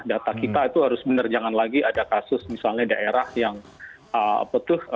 data kita itu harus benar jangan lagi ada kasus misalnya daerah yang apa tuh